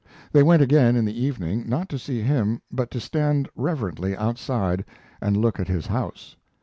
They went again in the evening, not to see him, but to stand reverently outside and look at his house.